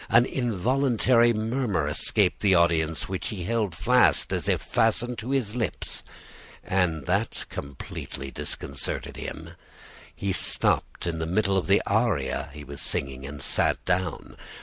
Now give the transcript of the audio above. An involuntary murmur escaped the audience, which he held fast as if fastened to his lips; and that completely disconcerted him; he stopped in the middle of the aria he was singing and sat down.